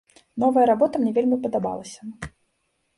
Новая работа мне вельмі падабалася.